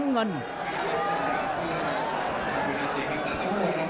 อ้าวเดี๋ยวดูยก๓นะครับ